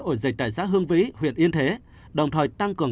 ổ dịch tại xã hương vĩ huyện yên thế đồng thời tăng cường